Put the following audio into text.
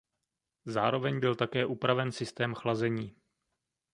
Zároveň byl také upraven systém chlazení.